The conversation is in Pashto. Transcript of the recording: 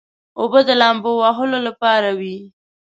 اوبه د لامبو وهلو لپاره وي.